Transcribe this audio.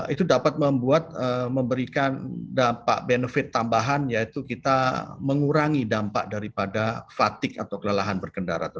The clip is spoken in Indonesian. itu dapat membuat memberikan dampak benefit tambahan yaitu kita mengurangi dampak daripada berkendara